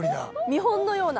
見本のような。